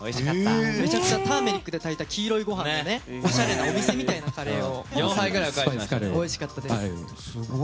めちゃくちゃターメリックで炊いた黄色いご飯でおしゃれなカレーでおいしかったです。